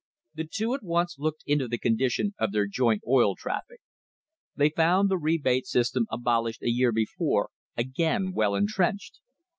The two at once looked into the condition of their joint oil traffic. They found the rebate system abolished a year before again well intrenched.